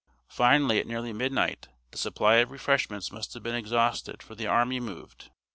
Finally at nearly midnight the supply of refreshments must have been exhausted for the army moved.